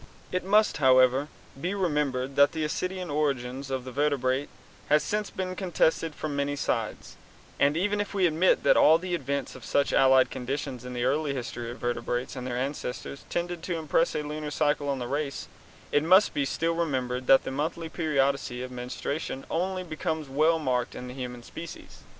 It must, however, be remembered that the ascidian origin of the vertebrates has since been contested from many sides, and, even if we admit that at all events some such allied conditions in the early history of vertebrates and their ancestors tended to impress a lunar cycle on the race, it must still be remembered that the monthly periodicity of menstruation only becomes well marked in the human species.